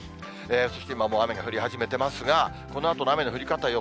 そして今はもう雨が降り始めていますが、このあとの雨の降り方の